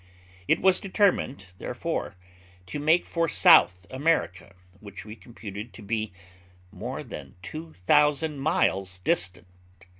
It was determined, therefore, to make for South America, which we computed to be more than two thousand miles distant.